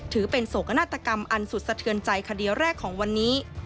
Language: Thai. ถือเป็นโศกนาฏกรรมอันสุดสะเทือนใจคดีแรกของวันนี้